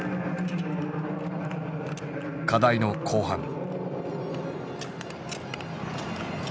課題の後半。